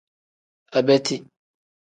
Abeti.